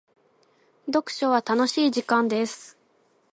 読書は楽しい時間です。